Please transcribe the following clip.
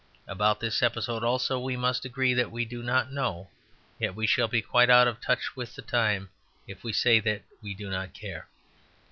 About this episode also we must agree that we do not know; yet we shall be quite out of touch with the time if we say that we do not care.